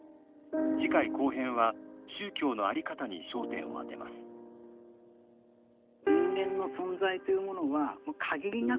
次回後編は宗教の在り方に焦点を当てます人間の存在というものは限りなく